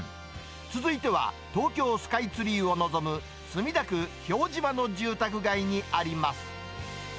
続いては、東京スカイツリーを望む墨田区京島の住宅街にあります。